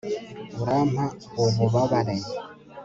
urampa ububabare